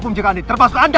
lo sama siapa sekarang